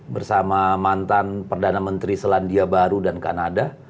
bersama mantan perdana menteri selandia baru dan kanada